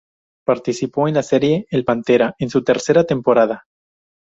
Participó en la serie "El Pantera" en su tercera temporada.